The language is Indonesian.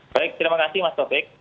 baik terima kasih mas taufik